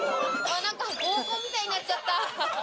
合コンみたいになっちゃった。